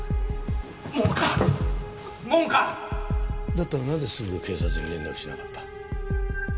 だったらなぜすぐ警察に連絡しなかった？